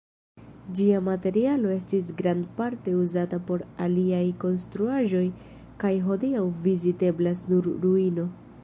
Ĝia materialo estis grandparte uzata por aliaj konstruaĵoj kaj hodiaŭ viziteblas nur ruino.